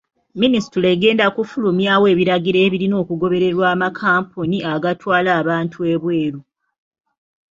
Minisitule egenda kufulumyawo ebiragiro ebirina okugobererwa amakampuni agatwala abantu ebweru.